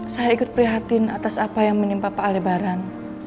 saya ikut prihatin atas apa yang menimpa pak alibaran